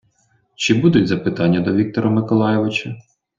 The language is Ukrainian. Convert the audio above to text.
Чи будуть запитання до Віктора Миколайовича?